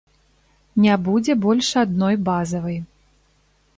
Не будзе больш адной базавай.